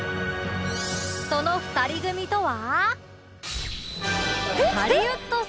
その２人組とは